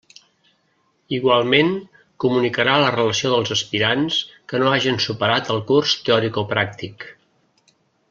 Igualment comunicarà la relació dels aspirants que no hagen superat el curs teoricopràctic.